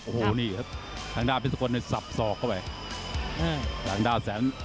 มันเดียวแค่งเดียวพลิกล็อกมากันเยอะแล้ว